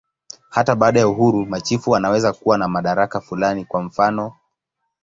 Hata baada ya uhuru, machifu wanaweza kuwa na madaraka fulani, kwa mfanof.